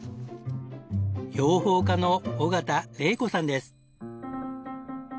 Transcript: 養蜂家の尾形玲子さんです。